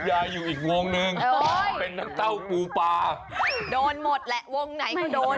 ขายน้ำเต้าขายปลูขายกุ้งด้วยอย่าผิด